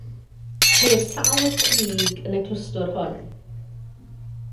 Ceir sawl crug yn y clwstwr hwn.